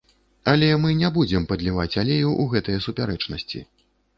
Але мы не будзем падліваць алею ў гэтыя супярэчнасці.